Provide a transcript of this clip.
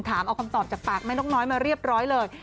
เอาคำตอบจากปากแม่นกน้อยมาเรียบร้อยเลย